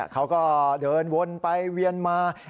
เขาก็เดินวนไปเวียนมา